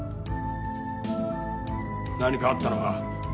何かあったのか？